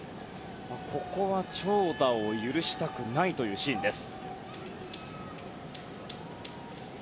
ここは長打を許したくないというシーンです。